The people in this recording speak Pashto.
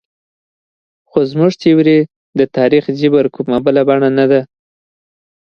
خو زموږ تیوري د تاریخ جبر کومه بله بڼه نه ده.